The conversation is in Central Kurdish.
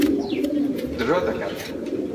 درۆ دەکەن.